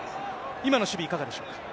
今の守備、いかがでしょうか。